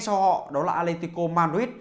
cho họ đó là atletico madrid